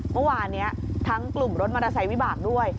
เมื่อวานเนี่ยทั้งกลุ่มรถมรสไฟวิบากด้วย